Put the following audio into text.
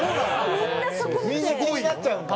みんな気になっちゃうんだ。